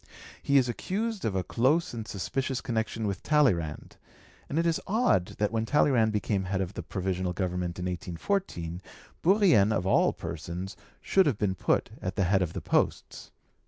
He is accused of a close and suspicious connection with Talleyrand, and it is odd that when Talleyrand became head of the Provisional Government in 1814, Bourrienne of all persons should have been put at the head of the posts.